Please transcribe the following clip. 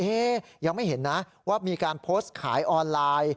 ยังไม่เห็นนะว่ามีการโพสต์ขายออนไลน์